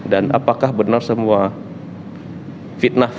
dan apakah benar semua fitnahnya